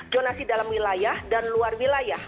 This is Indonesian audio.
jonasi dalam wilayah dan luar wilayah